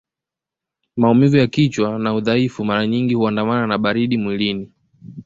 Maumivu ya kichwa na udhaifu mara nyingi huandamana na baridi mwilini